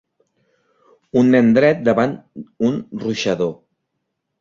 Un nen dret davant un ruixador.